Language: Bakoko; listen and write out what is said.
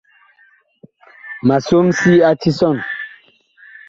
Ma som si a tisɔn.